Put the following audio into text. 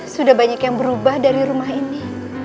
sudah banyak yang berubah dari rumah ini